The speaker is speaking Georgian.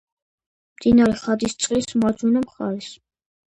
მდინარე ხადისწყლის მარჯვენა მხარეს.